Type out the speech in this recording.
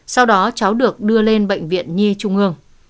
sau đó cháu được đưa lên bệnh viện nhi trung ương